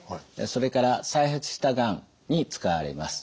それから再発したがんに使われます。